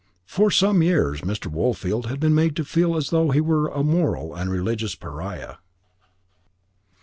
For some years Mr. Woolfield had been made to feel as though he were a moral and religious pariah.